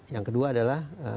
yang kedua adalah